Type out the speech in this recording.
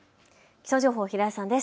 気象情報、平井さんです。